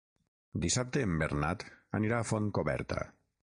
Dissabte en Bernat anirà a Fontcoberta.